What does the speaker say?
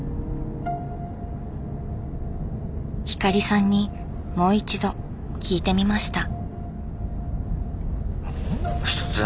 光さんにもう一度聞いてみました。